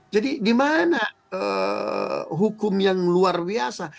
jadi di mana hukum yang luar biasa